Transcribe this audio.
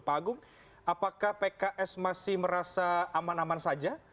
pagung apakah pks masih merasa aman aman saja